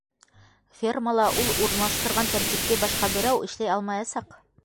Фермала ул урынлаштырған тәртипте башҡа берәү эшләй алмаясаҡ.